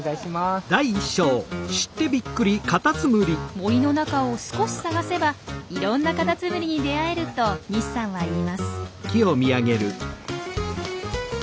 森の中を少し探せばいろんなカタツムリに出会えると西さんは言います。